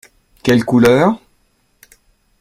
Quelle couleur ?